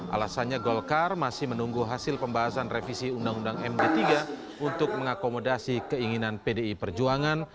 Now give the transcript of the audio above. alasannya golkar masih menunggu hasil pembahasan revisi undang undang md tiga untuk mengakomodasi keinginan pdi perjuangan